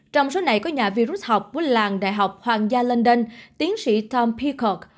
trong số này có nhà vi rút học của làng đại học hoàng gia london tiến sĩ tom peacock